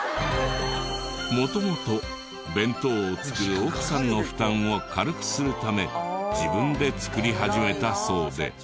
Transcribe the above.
元々弁当を作る奥さんの負担を軽くするため自分で作り始めたそうで。